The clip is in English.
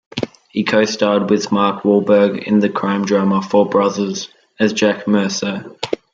He co-starred with Mark Wahlberg in the crime drama "Four Brothers" as Jack Mercer.